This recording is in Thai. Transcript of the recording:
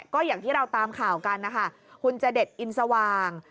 ก็อย่างที่เราตามข่าวกันนะคะคุณจเด็ดอินสว่าง